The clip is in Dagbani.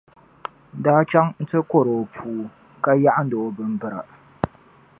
daa chaŋ n ti kɔri o puu, ka yaɣindi o bimbira.